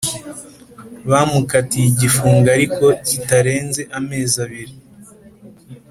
bamukatiye igifungo ariko kitarenze amezi abiri.